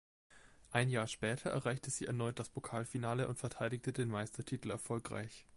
Ein Jahr später erreichte sie erneut das Pokalfinale und verteidigte den Meistertitel erfolgreich.